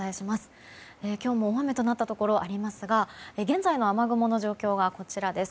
今日も大雨となったところがありますが現在の雨雲の状況はこちらです。